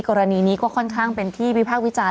กรณีนี้ก็ค่อนข้างเป็นที่วิพากษ์วิจารณ